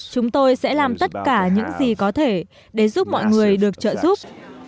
chúng tôi sẽ làm tất cả những gì có thể để giúp mọi người được trợ giúp